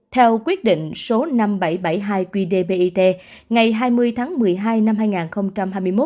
theo quyết định số năm nghìn bảy trăm bảy mươi hai qdbit ngày hai mươi tháng một mươi hai năm hai nghìn hai mươi một